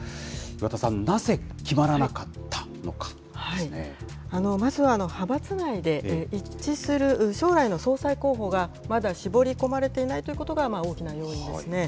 岩田さん、なぜ決まらなかったのまずは派閥内で、一致する将来の総裁候補がまだ絞り込まれていないということが大きな要因ですね。